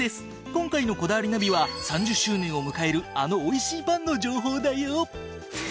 今回の『こだわりナビ』は３０周年を迎えるあのおいしいパンの情報だよ！